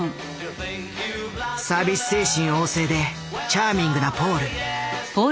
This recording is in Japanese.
サービス精神旺盛でチャーミングなポール。